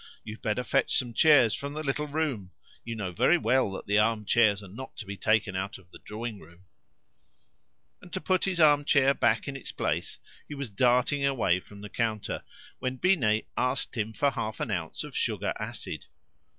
You'd better fetch some chairs from the little room; you know very well that the arm chairs are not to be taken out of the drawing room." And to put his arm chair back in its place he was darting away from the counter, when Binet asked him for half an ounce of sugar acid.